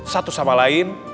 satu sama lain